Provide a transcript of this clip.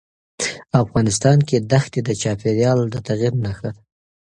افغانستان کې ښتې د چاپېریال د تغیر نښه ده.